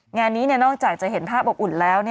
งานนี้นอกจากจะเห็นภาพอบอุ่นแล้ว